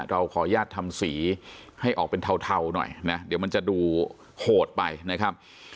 เราขออนุญาตทำสีให้ออกเป็นเทาหน่อยนะเดี๋ยวมันจะดูโหดไปนะครับ